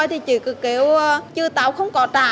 thì chị cứ kêu chứ tao không có trả